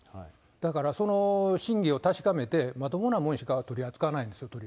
だから、その真偽を確かめて、まともなもんしか取り扱わないんです。